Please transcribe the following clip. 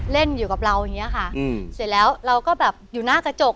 เล่นอยู่กับเราอย่างเงี้ยค่ะอืมเสร็จแล้วเราก็แบบอยู่หน้ากระจก